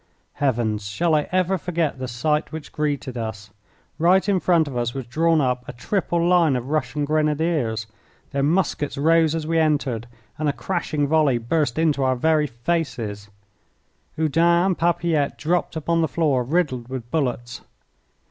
Heavens! shall I ever forget the sight which greeted us? Right in front of us was drawn up a triple line of Russian Grenadiers. Their muskets rose as we entered, and a crashing volley burst into our very faces. Oudin and Papilette dropped upon the floor, riddled with bullets.